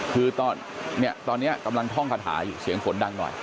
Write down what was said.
คือตอนนี้กำลังท่องคาถาอยู่เสียงฝนดังหน่อย